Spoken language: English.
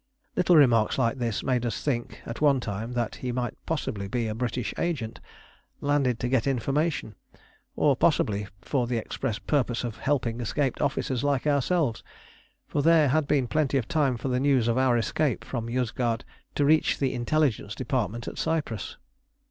Little remarks like this made us think at one time that he might possibly be a British agent, landed to get information, or possibly for the express purpose of helping escaped officers like ourselves: for there had been plenty of time for the news of our escape from Yozgad to reach the Intelligence Department in Cyprus.